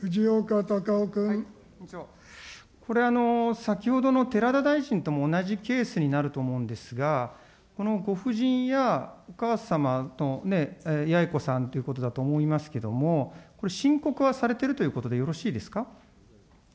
これ、先ほどの寺田大臣とも同じケースになると思うんですが、このご夫人やお母様のやえこさんということだと思いますけれども、申告はされてるということでよろしいですか。